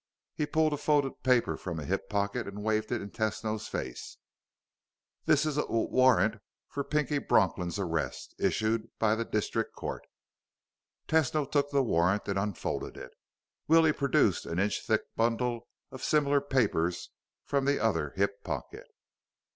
He pulled a folded paper from a hip pocket and waved it in Tesno's face. "This is a wuh huh warrant for Pinky Bronklin's arrest, issued by the district court." Tesno took the warrant and unfolded it. Willie produced an inch thick bundle of similar papers from the other hip pocket.